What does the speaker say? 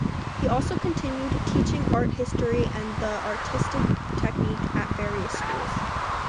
He also continued teaching art history and artistic technique at various schools.